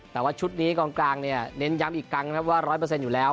แต่ว่าชุดนี้กองกลางเนี่ยเน้นย้ำอีกครั้งนะครับว่า๑๐๐อยู่แล้ว